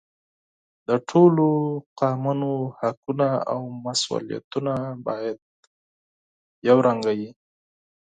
د ټولو قومونو حقونه او مسؤلیتونه باید برابر وي.